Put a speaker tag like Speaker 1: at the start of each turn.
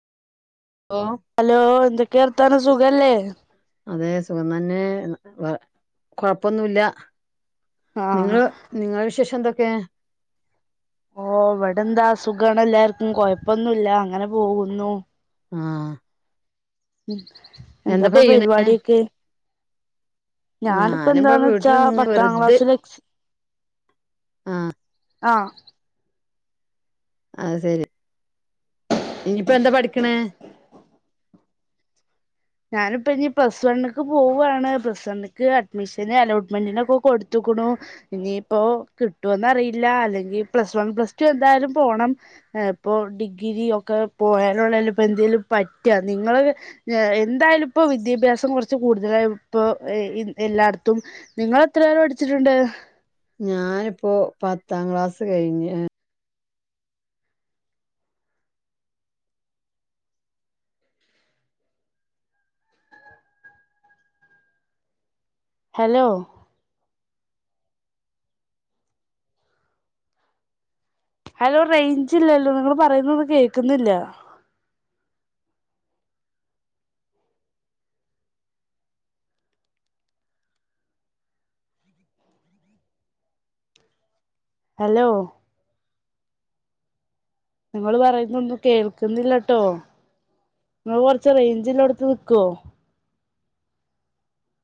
Speaker 1: ഓ
Speaker 2: hello എന്തൊക്കെ വർത്താന സുഖല്ലേ
Speaker 1: അതെ സുഖം തന്നെ വെ കൊഴപ്പൊന്നുല്ല
Speaker 2: ആഹ്
Speaker 1: നിങ്ങള് നിങ്ങളെ വിശേഷം എന്തൊക്കെയ
Speaker 2: ഓഹ് അവിടെ എന്താ അസുഖമാണ് എല്ലാർക്കും കൊഴപ്പൊന്നുല്ല അങ്ങനെ പോകുന്നു
Speaker 1: ആഹ്
Speaker 2: ഉം എന്താപ്പ പരിപാടിയൊക്കെ
Speaker 1: ഞാനിപ്പ
Speaker 2: ഞാന്പ്പന്താന്നച്ചാ
Speaker 1: വീട്ടില് ഇങ്ങനെ
Speaker 2: പത്താം
Speaker 1: വെറുതെ
Speaker 2: ക്ലാസ്സിലെ എക്
Speaker 1: ആഹ്.
Speaker 2: ആ.
Speaker 1: അത് ശെരി ഇനിയിപ്പ എന്താ പഠിക്ക് ണെ?
Speaker 2: ഞാന്പ്പ ഇനിപ്പ പ്ലസ് വണ്ണ്ക്ക് പോവാണ് പ്ലസ് വണ്ണ്ക്ക് അഡ്മിഷന് അലോട്ട്മെന്റിനൊക്കെ കൊടുത്ത്ക്ക്ണു ഇനിയിപ്പോ കിട്ടുവന്നറിയില്ല അല്ലെങ്കി പ്ലസ് വൺ പ്ലസ് ടു എന്തായാലും പോണം. ഇപ്പൊ ഡിഗ്രി ഒക്കെ പോയാലള്ളല്ല ഇപ്പ എന്തെലും പറ്റ നിങ്ങ എന്തായാലും ഇപ്പോ വിദ്യാഭ്യാസം കുറച്ച് കൂടുതലായി ഇപ്പൊ എല്ലാ ട്ത്തും നിങ്ങള് എത്രരെ പഠിച്ചിട്ടുണ്ട്?
Speaker 1: ഞാനിപ്പോ പത്താം ക്ലാസ് കയ്ഞ്ഞ്
Speaker 2: ഹലോ. ഹലോ റെയ്ഞ്ച് ഇല്ലല്ലോ നിങ്ങ പറയുന്നൊന്നും കേക്ക്ന്നില്ല. ഹലോ. നിങ്ങള് പറയുന്നൊന്നും കേൾക്കുന്നില്ലട്ടോ. നിങ്ങള് കൊർച്ച് റേഞ്ചിലോട്ത്ത് നിക്കോ?